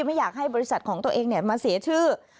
ไม่อยากให้บริษัทของตัวเองมาเสียชื่อ